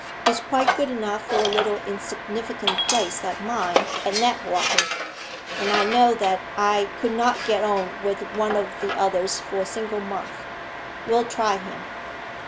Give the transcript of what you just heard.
'He's quite good enough for a little insignificant place like mine at Knapwater; and I know that I could not get on with one of the others for a single month. We'll try him.